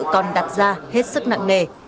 còn đặt ra hết sức nặng nề